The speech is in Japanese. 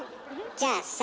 じゃあさ